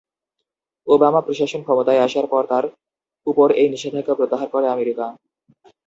Obama প্রশাসন ক্ষমতায় আসার পর তার উপর এই নিষেধাজ্ঞা প্রত্যাহার করে আমেরিকা।